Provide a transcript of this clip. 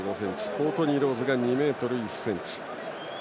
コートニー・ローズが２ｍ１ｃｍ。